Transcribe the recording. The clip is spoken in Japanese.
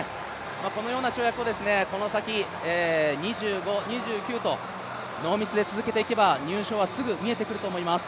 このような跳躍をこの先２５、２９とノーミスで続けていけば、入賞はすぐ見えてくると思います。